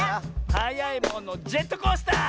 「はやいものジェットコースター！」